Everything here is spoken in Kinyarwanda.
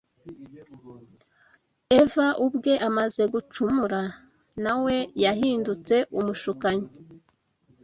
Eva ubwe amaze gucumura, na we yahindutse umushukanyi